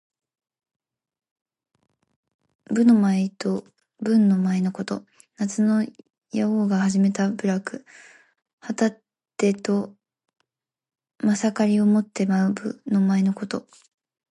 武の舞と文の舞のこと。夏の禹王が始めた舞楽。「干戚」はたてとまさかりを持って舞う、武の舞のこと。「羽旄」は雉の羽と旄牛の尾で作った飾りを持って舞う、文の舞の意。